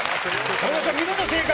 武田さん、見事正解。